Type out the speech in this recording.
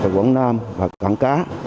quận nam và cạn cá